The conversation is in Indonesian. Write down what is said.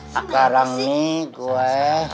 sekarang nih gue